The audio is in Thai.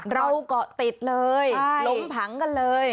เรากะติดเลยล้มผังกันเลย